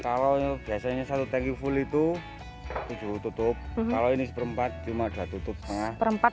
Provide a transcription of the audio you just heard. kalau biasanya satu tank full itu tujuh tutup kalau ini satu per empat lima dua tutup setengah